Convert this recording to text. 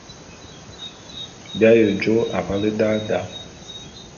Bi aye jô avale da da.